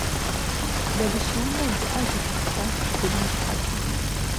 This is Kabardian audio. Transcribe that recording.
Бабыщ анэр гуӀэжырт трах и быным щхьэкӀэ.